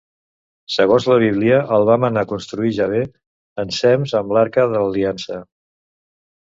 Segons la Bíblia, el va manar construir Jahvè, ensems amb l'Arca de l'Aliança.